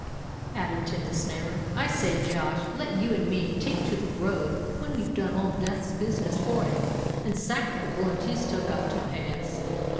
added Tim the Snammer. "I say, Josh, let you and me take to the road when we've done Old Death's business for him, and sacked the blunt he's still got to pay us."